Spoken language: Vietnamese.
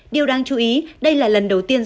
điều đáng chú ý đây là lần đầu tiên